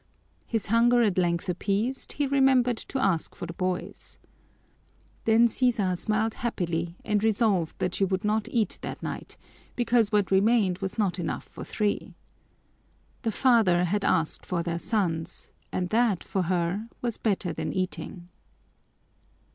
His hunger at length appeased, he remembered to ask for the boys. Then Sisa smiled happily and resolved that she would not eat that night, because what remained was not enough for three. The father had asked for their sons and that for her was better than eating.